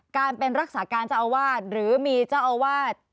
การเป็นรักษาการเจ้าอาวาสหรือมีเจ้าอาวาส